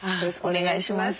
お願いします。